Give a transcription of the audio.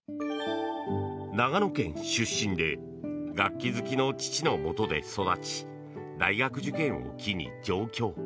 長野県出身で楽器好きの父のもとで育ち大学受験を機に上京。